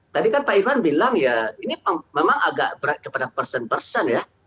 tadi kan pak ivan bilang ya ini memang agak berat kepada person person ya